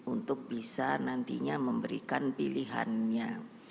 untuk bisa nantinya memberikan pilihannya